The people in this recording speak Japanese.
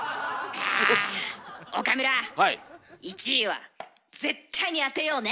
１位は絶対に当てようね！